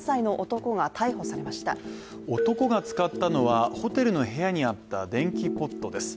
男が使ったのはホテルの部屋にあった電気ポットです。